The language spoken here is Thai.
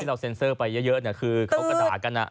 เราเซ็นเซอร์ไปเยอะคือเขาก็ด่ากัน